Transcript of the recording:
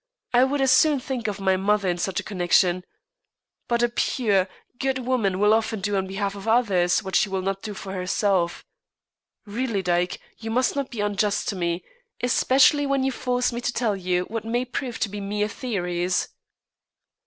I would as soon think of my mother in such a connection. But a pure, good woman will often do on behalf of others what she will not do for herself. Really, Dyke, you must not be unjust to me, especially when you force me to tell you what may prove to be mere theories."